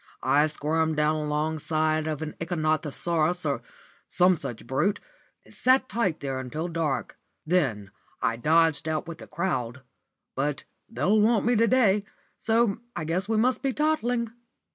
I squirmed down alongside of an ichthyosaurus or some such brute, and sat tight there until dark. Then I dodged out with the crowd. But they'll want me to day, so I guess we must be toddling."